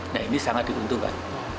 nah ini sangat diuntungkan